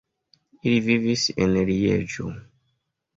Ili vivis en Lieĝo.